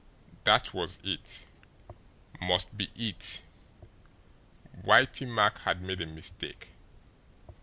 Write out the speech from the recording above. That was it must be it! Whitey Mack had made a mistake.